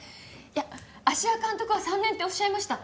いや芦屋監督は３年っておっしゃいました。